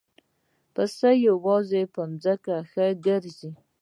پسه یوازې په ځمکه ښه ګرځي.